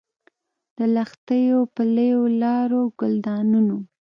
د لښتیو، پلیو لارو، ګلدانونو